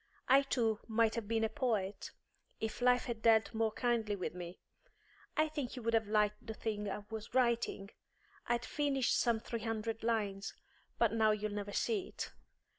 I too might have been a poet, if life had dealt more kindly with me. I think you would have liked the thing I was writing; I'd finished some three hundred lines; but now you'll never see it.